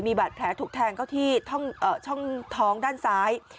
มีบาดแผลถูกแทงเข้าที่ช่องท้องด้านซ้าย